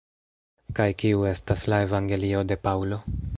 Kaj kiu estas la evangelio de Paŭlo?